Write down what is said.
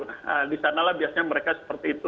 nah disanalah biasanya mereka seperti itu